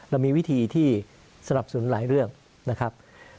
เรามีวิธีที่สนับสนุนหลายเรื่องนะครับ